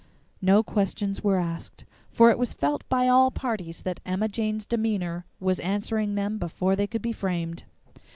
No questions were asked, for it was felt by all parties that Emma Jane's demeanor was answering them before they could be framed.